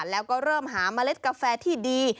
แล้วก็เริ่มหาเมล็ดกาแฟที่ดี